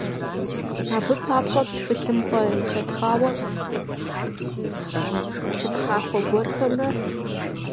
Абы папщӀэ тхылъымпӀэ чэтхъахуэ гуэрхэмрэ шакъэ папщӀэу псыкӀэ зэхэщӀа шэпхърэ къызатащ.